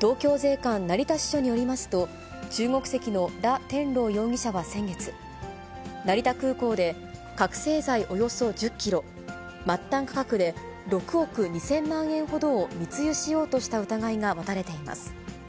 東京税関成田支所によりますと、中国籍の羅天朗容疑者は先月、成田空港で覚醒剤およそ１０キロ、末端価格で６億２０００万円ほどを密輸しようとした疑いが持たれています。